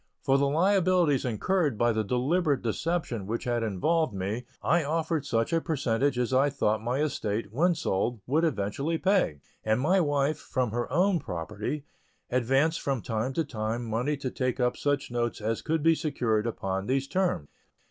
For the liabilities incurred by the deliberate deception which had involved me I offered such a percentage as I thought my estate, when sold, would eventually pay; and my wife, from her own property, advanced from time to time money to take up such notes as could be secured upon these terms.